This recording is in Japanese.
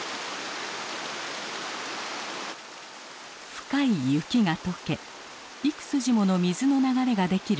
深い雪が解け幾筋もの水の流れが出来る